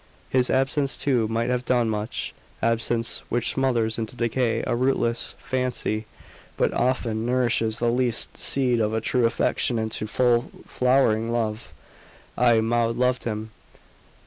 His absence, too, might have done much: absence which smothers into decay a rootless fancy, but often nourishes the least seed of a true affection into full flowering love. Ay Maud loved him.